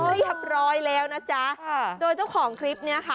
เรียบร้อยแล้วนะจ๊ะค่ะโดยเจ้าของคลิปเนี้ยค่ะ